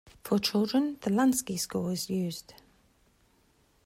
For children, the Lansky score is used.